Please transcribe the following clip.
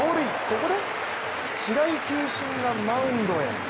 ここで白井球審がマウンドへ。